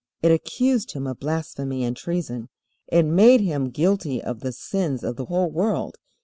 It accused Him of blasphemy and treason. It made Him guilty of the sins of the whole world.